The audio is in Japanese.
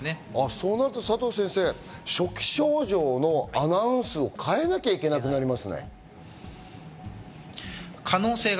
そうなると、初期症状のアナウンスを変えなきゃいけなくなりますね、佐藤先生。